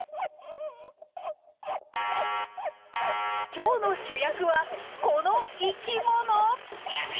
今日の主役はこの生きもの。